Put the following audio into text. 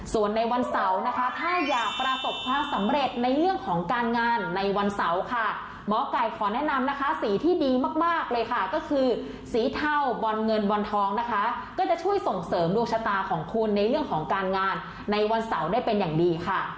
ส่วนในวันเสาร์นะคะถ้าอยากประสบความสำเร็จในเรื่องของการงานในวันเสาร์ค่ะหมอไก่ขอแนะนำนะคะสีที่ดีมากเลยค่ะก็คือสีเทาบอลเงินบอลทองนะคะก็จะช่วยส่งเสริมดวงชะตาของคุณในเรื่องของการงานในวันเสาร์ได้เป็นอย่างดีค่ะ